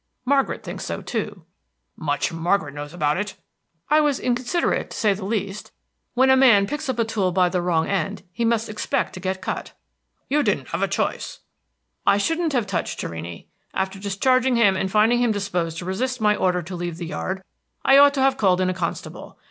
Margaret thinks so too." "Much Margaret knows about it!" "I was inconsiderate, to say the least. When a man picks up a tool by the wrong end he must expect to get cut." "You didn't have a choice." "I shouldn't have touched Torrini. After discharging him and finding him disposed to resist my order to leave the yard, I ought to have called in a constable.